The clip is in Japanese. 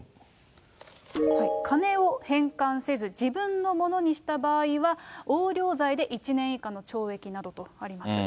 金を返還せず自分のものにした場合は、横領罪で１年以下の懲役などとあります。